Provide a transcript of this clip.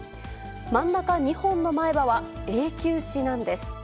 真ん中２本の前歯は永久歯なんです。